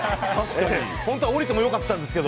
ホントは降りてもよかったんですけど。